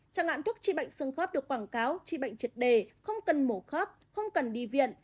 chẳng hạn thuốc tri bệnh xương khớp được quảng cáo chi bệnh triệt đề không cần mổ khớp không cần đi viện